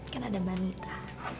kan ada mbak nita